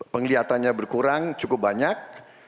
penglihatannya berkurang cukup banyak